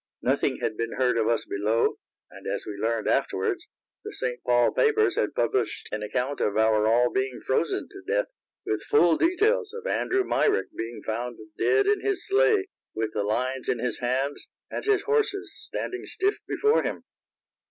Nothing had been heard of us below, and, as we learned afterwards, the St. Paul papers had published an account of our all being frozen to death, with full details of Andrew Myrick being found dead in his sleigh, with the lines in his hands and his horses standing stiff before him.